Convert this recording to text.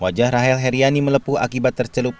wajah rahel heriani melepuh akibat tercelup